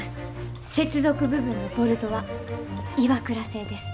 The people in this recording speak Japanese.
接続部分のボルトはＩＷＡＫＵＲＡ製です。